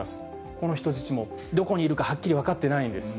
この人質もどこにいるかはっきり分かってないんです。